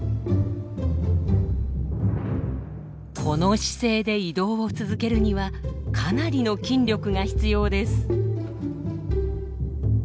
この姿勢で移動を続けるにはかなりの筋力が必要です。